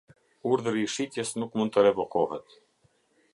Urdhri i shitjes nuk mund të revokohet.